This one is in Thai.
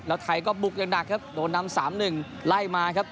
แล้วไทยก็บุกอย่างหนักครับโดนนำ๓๑ไล่มาครับ